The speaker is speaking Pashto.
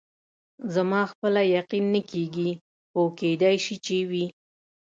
زما خپله یقین نه کېږي، خو کېدای شي چې وي.